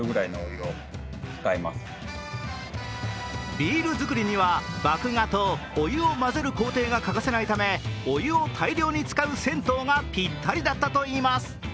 ビール造りには麦芽とお湯を混ぜる工程が欠かせないためお湯を大量に使う銭湯がぴったりだったといいます。